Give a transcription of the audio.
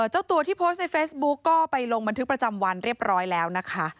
เจ้าตัวที่โพสต์ในเฟซบุ๊กก็ไปลงบันทึกประจำวันเรียบร้อยแล้วนะคะ